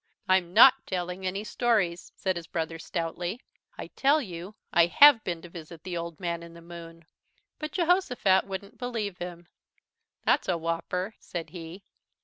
"I'm not telling any stories," said his brother stoutly. "I tell you, I have been to visit the Old Man in the Moon." But Jehosophat wouldn't believe him. "That's a whopper," said he.